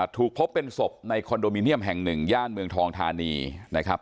ถูกพบเป็นศพในคอนโดมิเนียมแห่งหนึ่งย่านเมืองทองทานีนะครับ